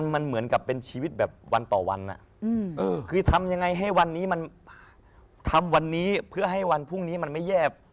มันเหมือนกับเป็นชีวิตแบบวันต่อวันคือทำยังไงให้วันนี้มันทำวันนี้เพื่อให้วันพรุ่งนี้มันไม่แย่